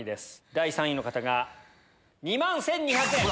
第３位の方が２万１２００円。